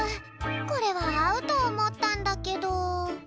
これはあうとおもったんだけど。